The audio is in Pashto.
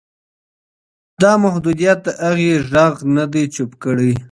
دا محدودیت د هغې غږ نه دی چوپ کړی.